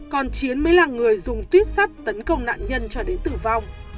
còn chiến mới là người dùng tuyết sắt tấn công nạn nhân cho đến tử vong